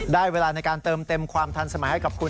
เวลาในการเติมเต็มความทันสมัยให้กับคุณ